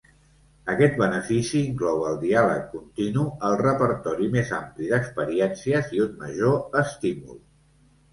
Aquest benefici inclou el diàleg continu, el repertori més ampli d'experiències i un major estímul.